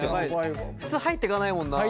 普通入っていかないもんな。